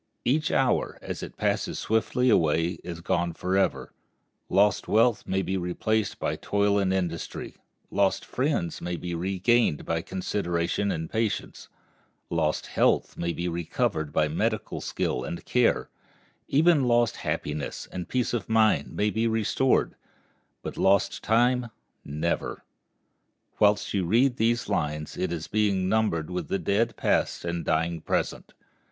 Each hour, as it passes swiftly away, is gone forever. Lost wealth may be replaced by toil and industry; lost friends may be regained by consideration and patience; lost health may be recovered by medical skill and care; even lost happiness and peace of mind may be restored; but lost time, never. Whilst you read these lines it is being numbered with the dead past and dying present.